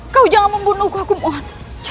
kau jangan membunuhku aku mohon